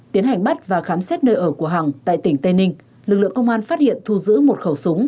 tiến hành bắt và khám xét nơi ở của hằng tại tỉnh tây ninh lực lượng công an phát hiện thu giữ một khẩu súng